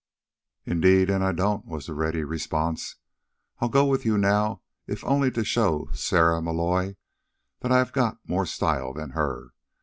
"Indade an' I don't!" was the ready response. "I'll go wid you now if only to show Sarah Malloy thot I have more style than her!